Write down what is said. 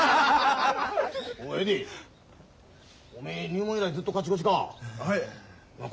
おうエディおめえ入門以来ずっと勝ち越しか。